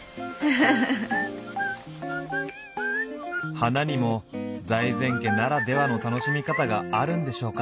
花にも財前家ならではの楽しみ方があるんでしょうか？